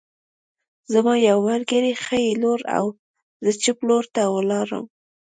زما یو ملګری ښي لور او زه چپ لور ته لاړم